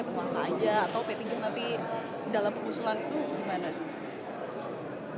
penguasa ya penguasa aja atau p tiga nanti dalam pengusulan itu gimana